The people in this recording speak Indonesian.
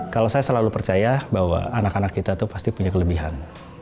kalau saya selalu percaya bahwa anak anak kita itu pasti punya kelebihan